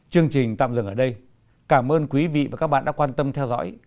chương trình tạm dừng ở đây cảm ơn quý vị và các bạn đã quan tâm theo dõi